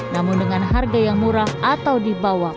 namun dengan harga yang murah atau dibawah